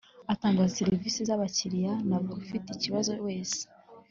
atanga serivisi z ‘abakiriya na buri ufite icyibazo wese.